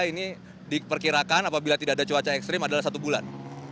ini diperkirakan apabila tidak ada cuaca ekstrim adalah satu bulan